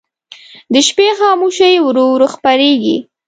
د شپې خاموشي ورو ورو خپرېږي.